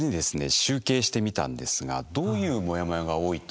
集計してみたんですがどういうモヤモヤが多いと思います？